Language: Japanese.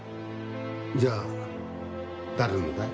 じゃあ誰のだい？